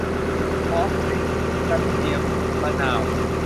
ขอพริก กระเทียม มะนาว